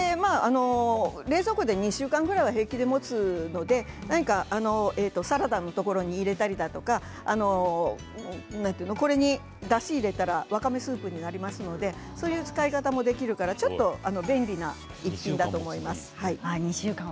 冷蔵庫で２週間くらいは平気でもつのでサラダのところに入れたりとかこれに、だしを入れたらわかめスープになりますのでそういう使い方ができるのでちょっと便利な一品だと思います。